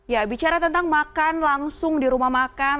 ya bicara tentang makan langsung di rumah makan